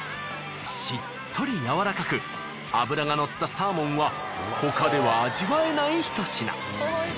しっとりやわらかく脂がのったサーモンは他では味わえないひと品。